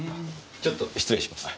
ちょっと失礼します。